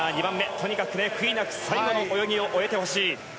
とにかく悔いなく最後の泳ぎを終えてほしい。